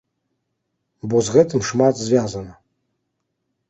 Бо з гэтым шмат звязана.